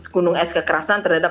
gunung es kekerasan terhadap